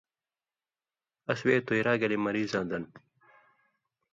اَس وے تُوئ را گلےمریضاں دن